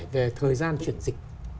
về thời gian chuyển dịch